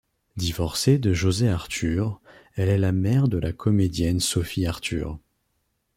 Divorcée de José Artur, elle est la mère de la comédienne Sophie Artur.